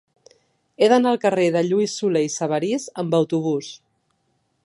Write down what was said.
He d'anar al carrer de Lluís Solé i Sabarís amb autobús.